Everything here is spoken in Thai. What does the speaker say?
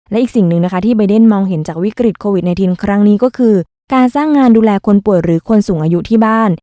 และอีกสิ่งหนึ่งนะคะที่ใบเดนมองเห็นจากวิกฤตโควิด๑๙ครั้งนี้ก็คือการสร้างงานดูแลคนป่วยหรือคนสูงอายุที่บ้าน